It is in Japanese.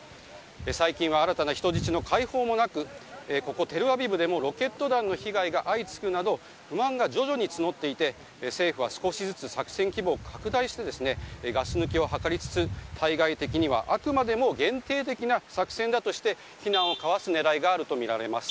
最近は新たな人質の解放もなくここテルアビブでもロケット弾の被害が相次ぐなど不満が徐々に募っていて政府は少しずつ作戦規模を拡大してガス抜きを図りつつ対外的には、あくまでも限定的な作戦だとして非難をかわす狙いがあるとみられます。